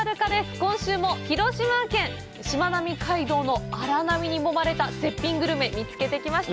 今週も広島県しまなみ海道の荒波にもまれた絶品グルメ、見つけてきました。